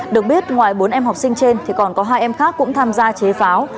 được biết ngoài bốn em học sinh trên thì còn có hai em khác cũng tham gia chế pháo